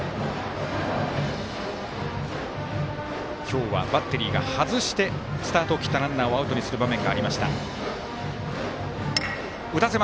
今日はバッテリーが外してスタートを切ったランナーをアウトにした場面がありました。